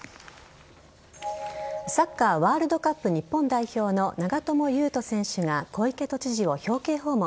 サッカーワールドカップ日本代表の長友佑都選手が小池都知事を表敬訪問。